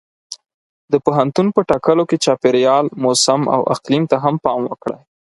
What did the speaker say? د پوهنتون په ټاکلو کې چاپېریال، موسم او اقلیم ته هم پام وکړئ.